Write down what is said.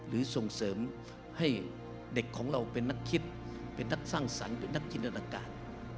หรือส่งเสริมให้เด็กของเราเป็นนักคิดเป็นนักสร้างสรรค์เป็นนักจินตนาการ